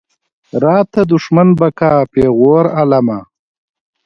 راته دښمن به کا پېغور عالمه.